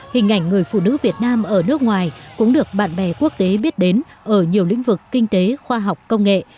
hình ảnh người phụ nữ việt nam ở nước ngoài cũng được bạn bè quốc tế biết đến ở nhiều lĩnh vực kinh tế khoa học công nghệ